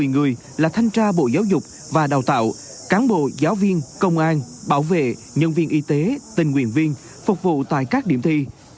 một mươi người là thanh tra bộ giáo dục và đào tạo cán bộ giáo viên công an bảo vệ nhân viên y tế tình nguyện viên phục vụ tại các điểm thi